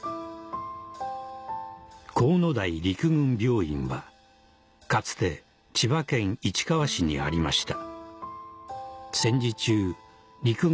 国府台陸軍病院はかつて千葉県市川市にありました